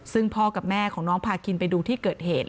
ซึ่งพ่อกับแม่ของน้องพาคินไปดูที่เกิดเหตุ